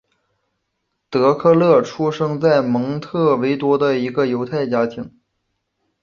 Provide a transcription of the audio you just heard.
德克勒出生在蒙特维多的一个犹太家庭。